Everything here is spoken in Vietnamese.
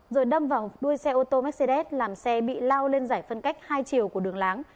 rồi đâm vào đuôi xe ô tô mercedes làm xe bị lao lên giải phân cách hai chiều của đường láng